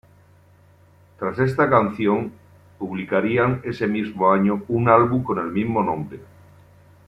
Tras esta canción publicarían ese mismo año un álbum con el mismo nombre.